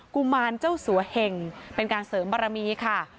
กุมารเจ้าสัวเหงเป็นการเสริมบารมีค่ะ